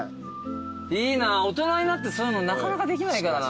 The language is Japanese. いいな大人になってそういうのなかなかできないからな。